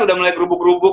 udah mulai berubuk berubuk